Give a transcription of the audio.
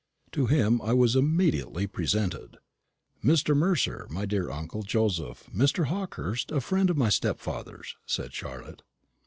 To him I was immediately presented. "Mr. Mercer, my dear uncle Joseph Mr. Hawkehurst, a friend of my stepfather's," said Charlotte.